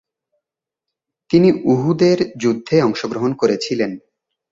তিনি উহুদের যুদ্ধে অংশগ্রহণ করেছিলেন।